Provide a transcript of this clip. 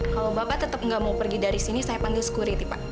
kalau bapak tetap nggak mau pergi dari sini saya panggil security pak